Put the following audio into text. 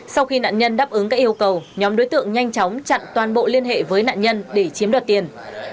sau khi nạn nhân đáp ứng các yêu cầu nhóm đối tượng nhanh chóng chặn toàn bộ liên hệ với nạn nhân để chiếm đoạt tiền